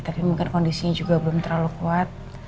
tapi mungkin kondisinya juga belum terlalu kuat